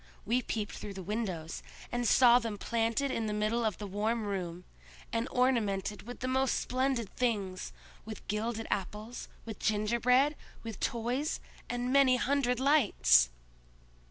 We peeped through the windows, and saw them planted in the middle of the warm room, and ornamented with the most splendid things—with gilded apples, with gingerbread, with toys, and many hundred lights!"